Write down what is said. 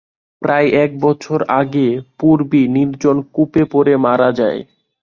প্রায় এক বছর আগে পুরবী নির্জন কূপে পড়ে মারা যায়।